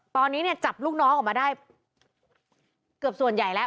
ตอนนี้เนี่ยจับลูกน้องออกมาได้เกือบส่วนใหญ่แล้ว